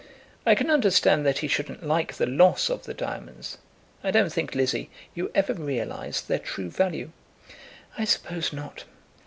"I can understand that he shouldn't like the loss of the diamonds. I don't think, Lizzie, you ever realised their true value." "I suppose not.